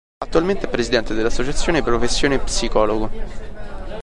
Attualmente è presidente dell'associazione Professione Psicologo.